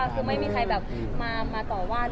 คือไม่มีใครแบบมาต่อว่า